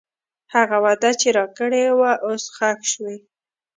هغه وعده چې راکړې وه، اوس ښخ شوې.